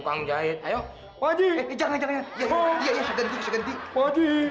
gua gak bakalan bawa pembantu